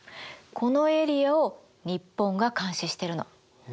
このエリアを日本が監視してるの。